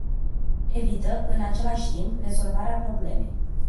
Evită, în același timp, rezolvarea problemei.